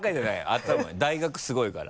頭いい大学すごいから。